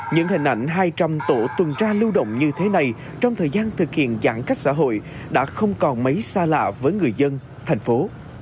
những hình ảnh hai trăm linh tổ tuần tra lưu động như thế này trong thời gian thực hiện giãn cách xã hội đã không còn mấy xa lạ với người dân thành phố